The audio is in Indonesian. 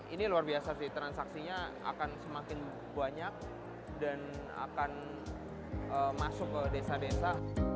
ini luar biasa sih transaksinya akan semakin banyak dan akan masuk ke desa desa